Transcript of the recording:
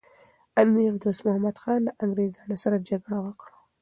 امیر دوست محمد خان له انګریزانو سره جګړه وکړه.